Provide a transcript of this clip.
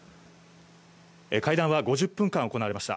会談は５０分間行われました。